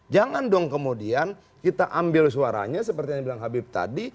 jangan dong kemudian kita ambil suaranya seperti yang bilang habib tadi